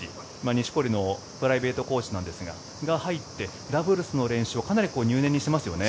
錦織のプライベートコーチなんですがその方が入ってダブルスの練習をかなり入念にしていますよね。